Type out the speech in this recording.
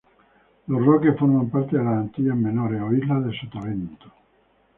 Los Roques forman parte de las Antillas Menores o Islas de Sotavento.